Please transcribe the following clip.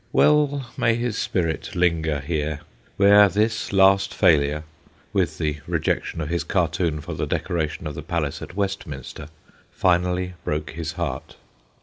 Well may his spirit linger here, where this last failure with the rejection of his cartoon for the decoration of the Palace at Westminster finally broke his heart.